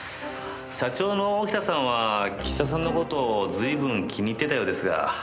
社長の沖田さんは岸田さんの事を随分気に入ってたようですが。